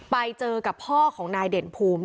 ไปเจอกับพ่อของนายเด่นภูมิ